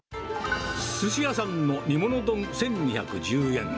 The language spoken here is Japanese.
すし屋さんのにもの丼１２１０円。